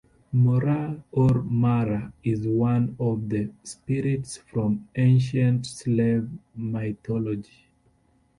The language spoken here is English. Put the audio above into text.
"Mora" or "Mara" is one of the spirits from ancient Slav mythology.